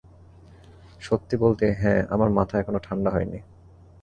সত্যি বলতে, হ্যাঁ, আমার মাথা এখনো ঠান্ডা হয়নি।